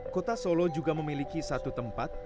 kota solo juga memiliki satu tempat